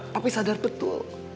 papi sadar betul